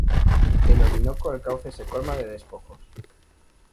Del Orinoco el cauce se colma de despojos;